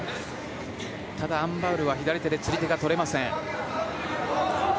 ただアン・バウルは左手で釣り手がとれません。